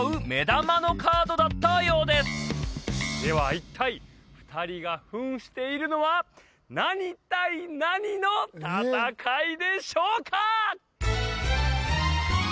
一体２人が扮しているのは何対何の戦いでしょうか？